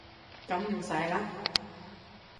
噉唔使啦